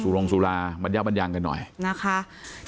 สุรงสุราบรรยาบรรยางกันหน่อยนะคะ